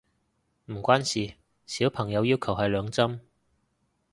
唔關事，小朋友要求係兩針